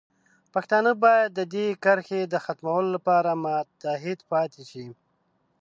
پښتانه باید د دې کرښې د ختمولو لپاره متحد پاتې شي.